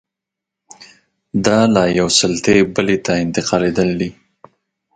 دا له یوې سلطې بلې ته انتقالېدل دي.